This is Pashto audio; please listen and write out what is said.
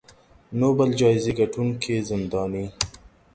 نوبل جایزې ګټونکې زنداني